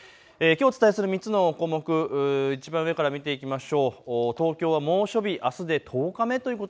きょうお伝えする３つの項目いちばん上から見ていきます。